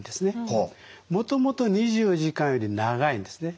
もともと２４時間より長いんですね。